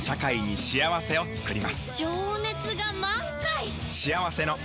情熱が満開！